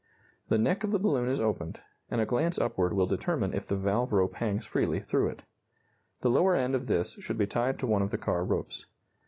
The neck of the balloon is opened, and a glance upward will determine if the valve rope hangs freely through it. The lower end of this should be tied to one of the car ropes.